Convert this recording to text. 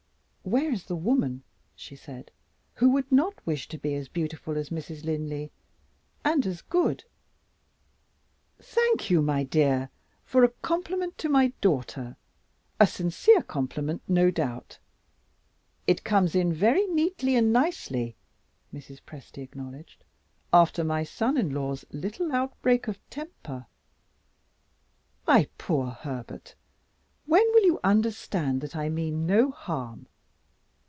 "Where is the woman," she said, "who would not wish to be as beautiful as Mrs. Linley and as good?" "Thank you, my dear, for a compliment to my daughter: a sincere compliment, no doubt. It comes in very neatly and nicely," Mrs. Presty acknowledged, "after my son in law's little outbreak of temper. My poor Herbert, when will you understand that I mean no harm?